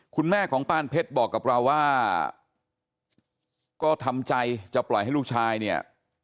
คุณแม่ของปานเพชรบอกกับเราว่าก็ทำใจจะปล่อยให้ลูกชายเนี่ย